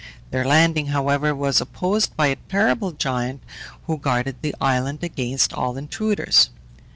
Their landing, however, was opposed by a terrible giant who guarded the island against all intruders.